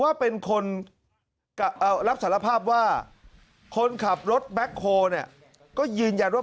ว่าเป็นคนรับสารภาพว่าคนขับรถแบ็คโฮเนี่ยก็ยืนยันว่า